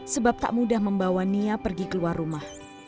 sebab tak mudah membawa nia pergi keluar rumah